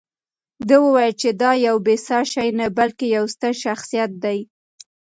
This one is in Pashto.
ده وویل چې دا یو بې ساه شی نه، بلکې یو ستر شخصیت دی.